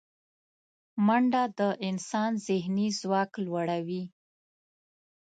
منډه د انسان ذهني ځواک لوړوي